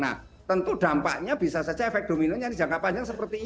nah tentu dampaknya bisa saja efek dominonya di jangka panjang